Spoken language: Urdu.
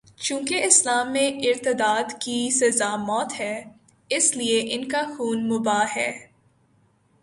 چونکہ اسلام میں ارتداد کی سزا موت ہے، اس لیے ان کا خون مباح ہے۔